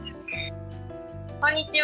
こんにちは。